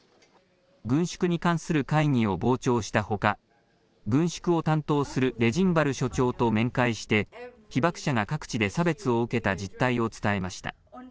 軍縮に関する会議を傍聴したほか軍縮を担当するレジンバル所長と面会して被爆者が各地で差別を受けた実態を伝えました。